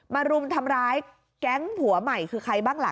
รุมทำร้ายแก๊งผัวใหม่คือใครบ้างล่ะ